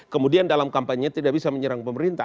kemudian dalam kampanye tidak bisa menyerang pemerintah